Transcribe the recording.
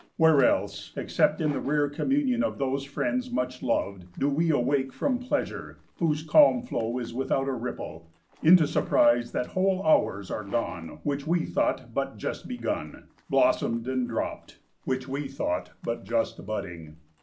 Where else except in the rare communion of those friends much loved, do we awake from pleasure, whose calm flow is without a ripple, into surprise that whole hours are gone which we thought but just begun blossomed and dropped, which we thought but just budding?